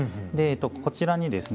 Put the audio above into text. こちらにですね